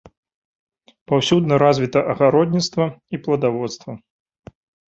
Паўсюдна развіта агародніцтва і пладаводства.